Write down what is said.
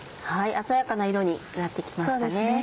鮮やかな色になって来ましたね。